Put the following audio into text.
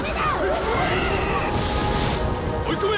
追い込め！